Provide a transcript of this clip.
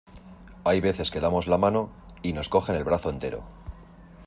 Hay veces que damos la mano, y nos cogen el brazo entero.